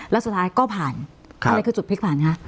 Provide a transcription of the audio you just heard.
แล้วสุดท้ายก็ผ่านอะไรคือจุดพลิกผ่านคะ